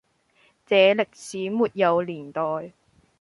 這歷史沒有年代，